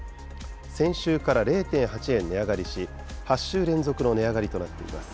先週から０．８円値上がりし、８週連続の値上がりとなっています。